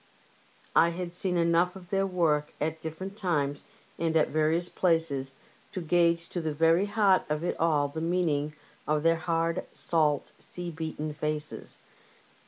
I had seen enough of their work at different times and at various places to gauge to the very heart of it all the meaning of their hard, salt, sea beaten faces.